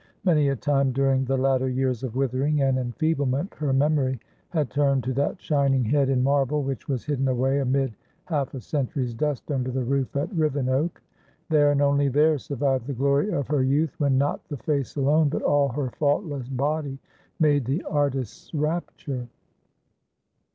Many a time during the latter years of withering and enfeeblement her memory had turned to that shining head in marble, which was hidden away amid half a century's dust under the roof at Rivenoak. There, and there only, survived the glory of her youth, when not the face alone, but all her faultless body made the artist's rapture.